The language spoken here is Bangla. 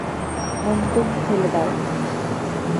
বন্দুক ফেলে দাও!